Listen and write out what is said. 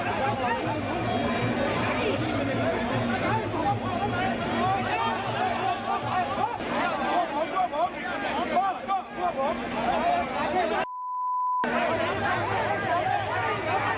ด้วยโรคซักสักื่อสร้างเป็นความปกดึง